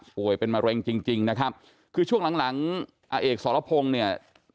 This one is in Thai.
ป่วยเป็นมะเร็งจริงจริงนะครับคือช่วงหลังหลังอาเอกสรพงศ์เนี่ย